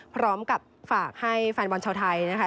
พร้อมกับฝากให้แฟนบอลชาวไทยนะคะ